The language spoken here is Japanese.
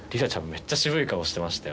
めっちゃ渋い顔してましたよ。